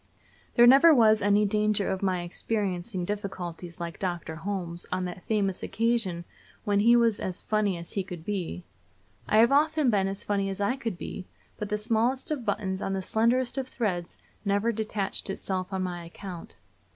There never was any danger of my experiencing difficulties like Dr. Holmes on that famous occasion when he was as funny as he could be. I have often been as funny as I could be, but the smallest of buttons on the slenderest of threads never detached itself on my account.